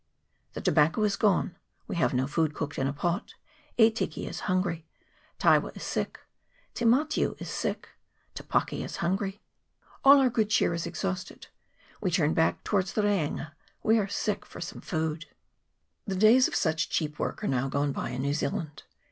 The tobacco is gone : we have no food cooked in a pot : Etiki is hungry : Taewa is sick : Te Matiu is sick : Te Paki is hungry : all our good cheer is exhausted : we turn back towards the Reinga : we are sick for some food. The days of such cheap work are now gone by in New Zealand.